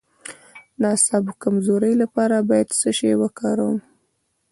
د اعصابو د کمزوری لپاره باید څه شی وکاروم؟